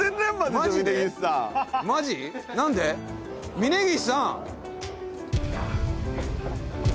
峯岸さん